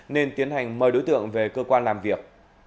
nên tiến hành mời đối tượng về cơ quan làm việc